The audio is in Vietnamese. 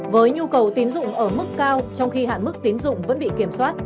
với nhu cầu tín dụng ở mức cao trong khi hạn mức tín dụng vẫn bị kiểm soát